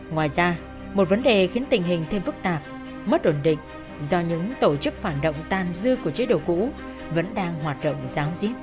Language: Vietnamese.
ngoài ra một vấn đề khiến tình hình thêm phức tạp mất ổn định do những tổ chức phản động tam dư của chế độ cũ vẫn đang hoạt động giáo diết